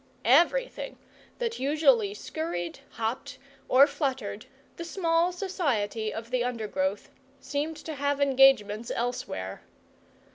Everything that usually scurried, hopped, or fluttered the small society of the undergrowth seemed to have engagements elsewhere.